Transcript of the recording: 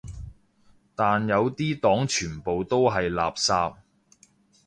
但有啲黨全部都係垃圾